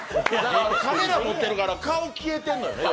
カメラ持ってるから、顔消えてるのよ。